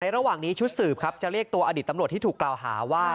ระหว่างนี้ชุดสืบครับจะเรียกตัวอดีตตำรวจที่ถูกกล่าวหาว่า